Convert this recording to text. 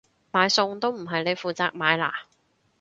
買餸都唔係你負責買啦？